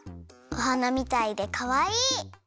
おはなみたいでかわいい！